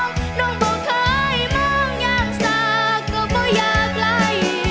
หนูก็เคยมองอยากสายกับกระหว่างลาย